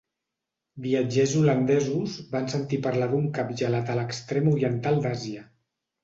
Viatgers holandesos van sentir parlar d'un cap gelat a l'extrem oriental d'Àsia.